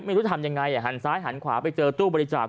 ไม่รู้ทำยังไงหันซ้ายหันขวาไปเจอตู้บริจาค